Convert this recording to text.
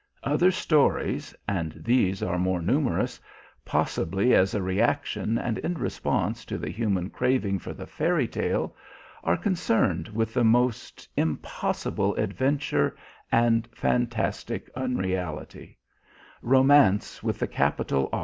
Other stories, and these are more numerous, possibly as a reaction and in response to the human craving for the fairy tale, are concerned with the most impossible adventure and fantastic unreality, Romance with the capital R.